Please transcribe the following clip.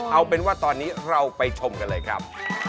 เอาเป็นว่าตอนนี้เราไปชมกันเลยครับ